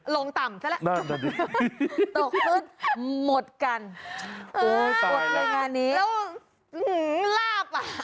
ลงต่ำซะแหละตกขึ้นหมดกันโอ้โฆษณ์ในงานนี้ตายแล้ว